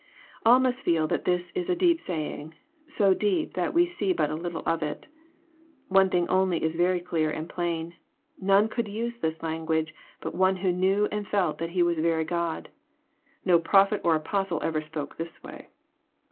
All must feel that this is a deep saying, so deep that we se< but a little of It. One thing only is very clear and plain : none could use this language but one who knew and felt that He waa very God. No prophet or Apostle ever spoke in this way.